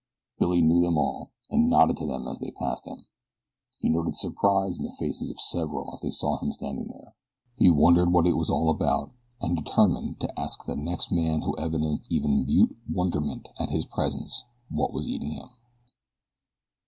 Billy knew them all, and nodded to them as they passed him. He noted surprise in the faces of several as they saw him standing there. He wondered what it was all about, and determined to ask the next man who evinced even mute wonderment at his presence what was eating him.